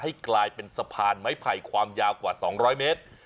ให้กลายเป็นสะพานไม้ไผ่ความยาวกว่า๒๐๐เมตร